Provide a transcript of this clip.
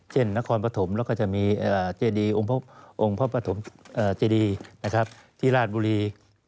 นครปฐมแล้วก็จะมีเจดีองค์พระปฐมเจดีที่ราชบุรี